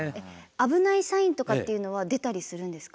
危ないサインとかっていうのは出たりするんですか？